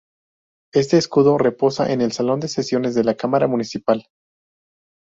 Este escudo reposa en el salón de sesiones de la Cámara Municipal.